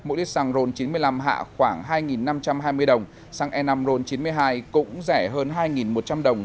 mỗi lít xăng ron chín mươi năm hạ khoảng hai năm trăm hai mươi đồng xăng e năm ron chín mươi hai cũng rẻ hơn hai một trăm linh đồng